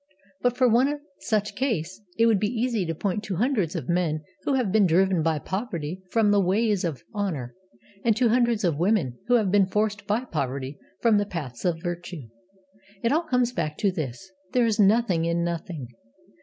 But, for one such case, it would be easy to point to hundreds of men who have been driven by poverty from the ways of honour, and to hundreds of women who have been forced by poverty from the paths of virtue. It all comes back to this: there is nothing in Nothing.